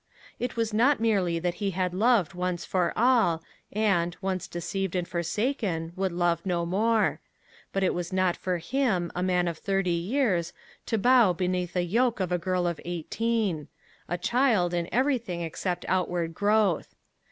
It was not merely that he had loved once for all, and, once deceived and forsaken, would love no more; but it was not for him, a man of thirty years, to bow beneath the yoke of a girl of eighteen a child in everything except outward growth.